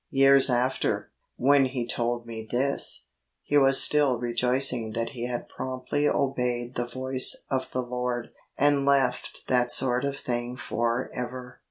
Years after, when he told me this, he was still rejoicing that he had promptly obeyed the voice of the Lord, and left that sort of thing for ever.